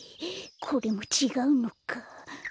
これもちがうのか。